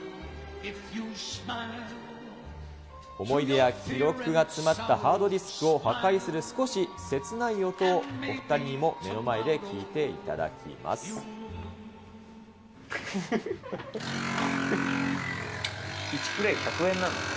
思い出や記憶が詰まったハードディスクを破壊する、少し切ない音をお２人にも目の前で聞いていただきます。